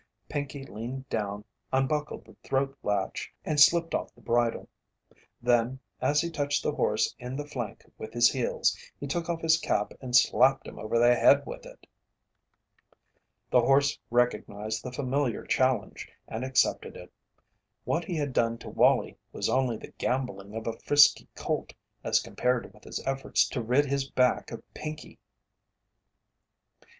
Pinkey leaned down, unbuckled the throat latch, and slipped off the bridle. Then, as he touched the horse in the flank with his heels, he took off his cap and slapped him over the head with it. The horse recognized the familiar challenge and accepted it. What he had done to Wallie was only the gambolling of a frisky colt as compared with his efforts to rid his back of Pinkey.